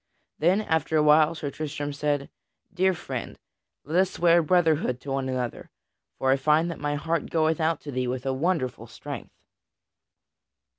Then, after a while, Sir Tristram said: "Dear friend, let us swear brotherhood to one another, for I find that my heart goeth out to thee with a wonderful strength."